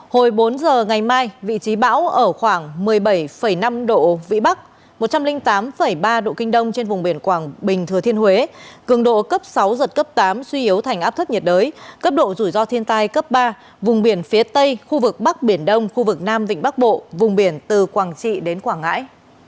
hồi bốn giờ ngày mai vị trí bão ở khoảng một mươi bảy năm độ vĩ bắc một trăm linh tám ba độ kinh đông trên vùng biển quảng bình thừa thiên huế cường độ cấp sáu giật cấp tám suy yếu thành áp thấp nhiệt đới cấp độ rủi ro thiên tai cấp ba vùng biển phía tây khu vực bắc biển đông khu vực nam vịnh bắc bộ vùng biển từ quảng trị đến quảng ngãi